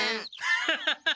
アハハハハ！